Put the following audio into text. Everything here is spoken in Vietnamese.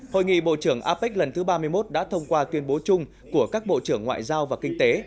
hội nghị bộ trưởng apec lần thứ ba mươi một đã thông qua tuyên bố chung của các bộ trưởng ngoại giao và kinh tế